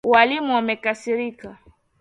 Walimu wamekasirika.